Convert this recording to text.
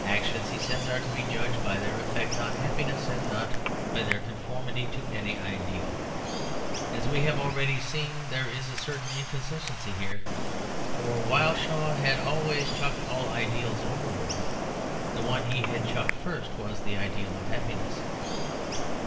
"Actions," he says, "are to be judged by their effect on happiness, and not by their conformity to any ideal." As we have already seen, there is a certain inconsistency here; for while Shaw had always chucked all ideals overboard the one he had chucked first was the ideal of happiness.